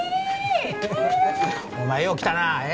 えっお前よう来たなえ